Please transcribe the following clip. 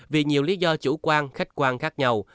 vì nhiều lý do chủ quan khách quan khác nhau